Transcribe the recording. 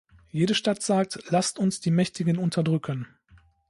Jede Stadt sagt: Lasst uns die Mächtigen unterdrücken!